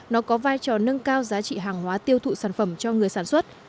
nó có vai trò nâng cao giá trị hàng hóa tiêu thụ sản phẩm cho người sản xuất